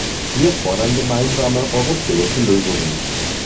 Wir fordern gemeinsame, europäische Lösungen.